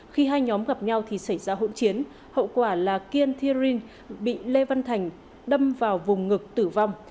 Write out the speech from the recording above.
khi hai nhóm gặp nhau thì xảy ra hỗn chiến hậu quả là kiên thiên bị lê văn thành đâm vào vùng ngực tử vong